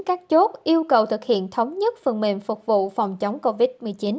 các chốt yêu cầu thực hiện thống nhất phần mềm phục vụ phòng chống covid một mươi chín